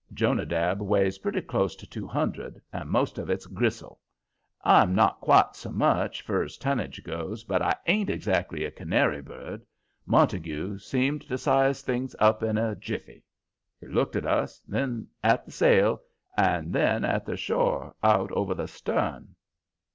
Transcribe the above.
Jonadab weighs pretty close to two hundred, and most of it's gristle. I'm not quite so much, fur's tonnage goes, but I ain't exactly a canary bird. Montague seemed to size things up in a jiffy. He looked at us, then at the sail, and then at the shore out over the stern.